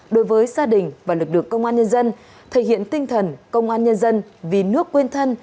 đối với gia đình và lực lượng công an nhân dân thể hiện tinh thần công an nhân dân vì nước quên thân